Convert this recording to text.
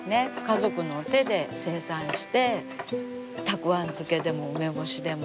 家族の手で生産してたくあん漬けでも梅干しでもらっきょう漬けでも。